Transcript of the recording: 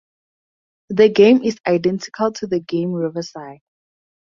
The game is identical to the game Reversi.